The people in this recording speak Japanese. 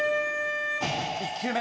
１球目。